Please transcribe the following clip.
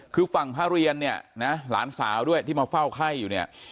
คือฝั่งพระเรียนเนี่ยนะหลานสาวด้วยที่มาเฝ้าไข้อยู่เนี่ย